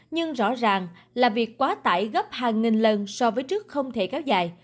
nhưng rõ ràng là việc quá tải gấp hàng nghìn lần so với trước không thể kéo dài